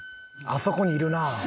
あそこにいるな。